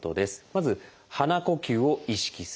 まず鼻呼吸を意識する。